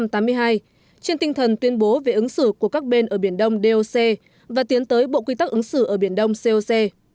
trên tinh thần tuyên bố về ứng xử của các bên ở biển đông doc và tiến tới bộ quy tắc ứng xử ở biển đông coc